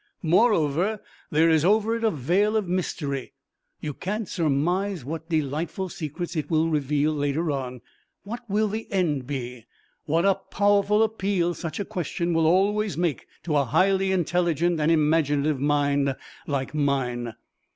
Moreover there is over it a veil of mystery. You can't surmise what delightful secrets it will reveal later on. What will the end be? What a powerful appeal such a question will always make to a highly intelligent and imaginative mind like mine!